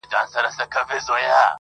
o جوړ له انګورو څه پیاله ستایمه,